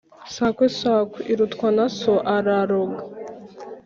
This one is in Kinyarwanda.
Sakwe sakwe irutwa na so araroga.